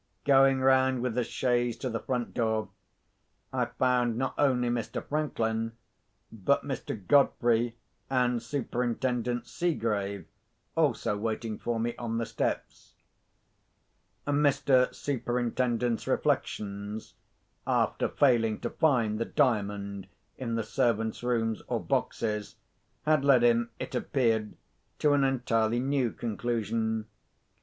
Going round with the chaise to the front door, I found not only Mr. Franklin, but Mr. Godfrey and Superintendent Seegrave also waiting for me on the steps. Mr. Superintendent's reflections (after failing to find the Diamond in the servants' rooms or boxes) had led him, it appeared, to an entirely new conclusion.